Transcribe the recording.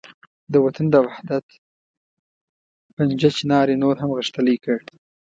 د وطن د وحدت پنجه چنار یې نور هم غښتلې کړ.